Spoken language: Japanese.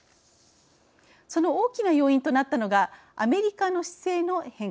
その大きな要因となったのがアメリカの姿勢の変化です。